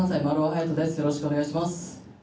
よろしくお願いします。